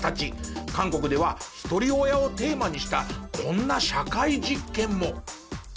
韓国ではひとり親をテーマにしたこんな社会実験も。